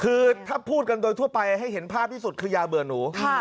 คือถ้าพูดกันโดยทั่วไปให้เห็นภาพที่สุดคือยาเบื่อหนู